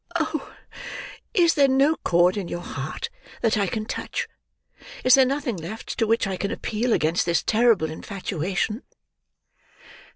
Oh! is there no chord in your heart that I can touch! Is there nothing left, to which I can appeal against this terrible infatuation!"